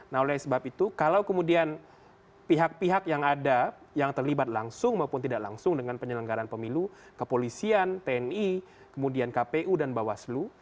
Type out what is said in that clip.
nah oleh sebab itu kalau kemudian pihak pihak yang ada yang terlibat langsung maupun tidak langsung dengan penyelenggaran pemilu kepolisian tni kemudian kpu dan bawaslu